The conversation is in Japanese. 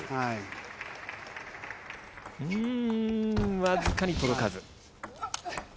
僅かに届かず。